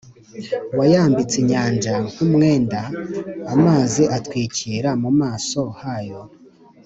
Wayambitse inyanja nk umwenda Amazi atwikira mu mas ohayo